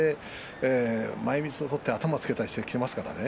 前みつを取って頭をつけたりしてきますからね。